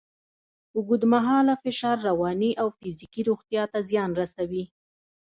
اوږدمهاله فشار رواني او فزیکي روغتیا ته زیان رسوي.